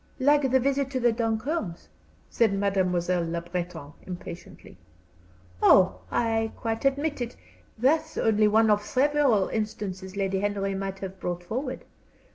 "Like the visit to the Duncombes'?" said Mademoiselle Le Breton, impatiently. "Oh, I quite admit it that's only one of several instances Lady Henry might have brought forward.